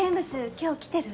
今日来てる？